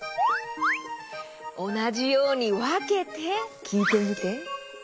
おなじようにわけてきいてみて。